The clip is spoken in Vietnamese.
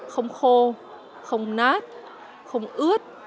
không khô không nát không ướt